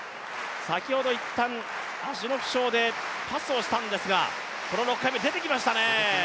先ほど一旦足の負傷でパスをしたんですが、この６回目出てきましたね。